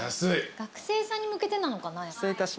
学生さんに向けてなのかな？